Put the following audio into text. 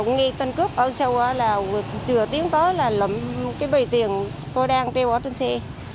nghe tên cướp ở xe qua là vừa tiến tới là lậm cái bầy tiền tôi đang treo ở trên xe